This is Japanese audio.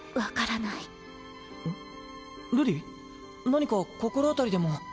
何か心当たりでも。